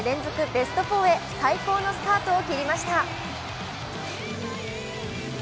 ベスト４へ最高のスタートを切りました。